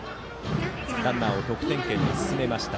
ランナーを得点圏に進めました。